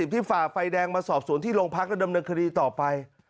ฝ่าไฟแดงมาสอบสวนที่โรงพักและดำเนินคดีต่อไป